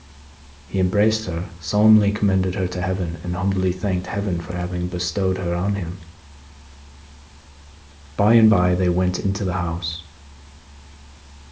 He embraced her, solemnly commended her to Heaven, and humbly thanked Heaven for having bestowed her on him. By and bye, they went into the house.